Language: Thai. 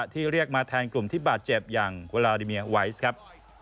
เรียกมาแทนกลุ่มที่บาดเจ็บอย่างเวลาดิเมียไวซ์ครับ